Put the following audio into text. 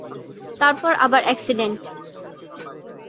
তারপর আবার এক্সিডেন্ট।